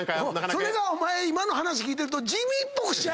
それが今の話聞いてると。